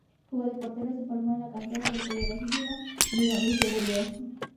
Jugó de portero y se formó en la cantera del poderoso Girondins de Burdeos.